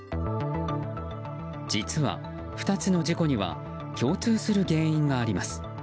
実は、２つの事故には共通する原因があります。